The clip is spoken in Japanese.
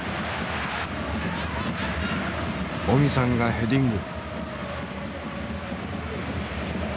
オミさんがヘディング。